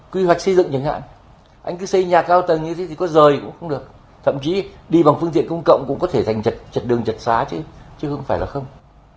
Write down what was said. quy hoạch xây dựng chẳng hạn anh cứ xây nhà cao tầng như thế thì có rời cũng không được thậm chí đi bằng phương tiện công cộng cũng có thể thành chật chật đường chật xá chứ không phải là không